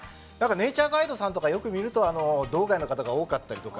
ネイチャーガイドさんとかよく見ると道外の方が多かったりとか。